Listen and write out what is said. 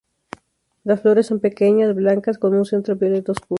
Las flores son pequeñas, blancas con un centro violeta oscuro.